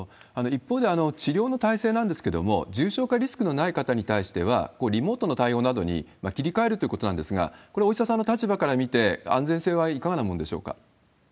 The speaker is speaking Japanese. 一方で、治療の体制なんですけれども、重症化リスクのない方に対しては、リモートの対応などに切り替えるということなんですが、これ、お医者さんの立場から見て、安全性はいかがなものでしょうか？